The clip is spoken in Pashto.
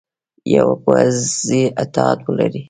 یوه پوځي اتحاد ولري.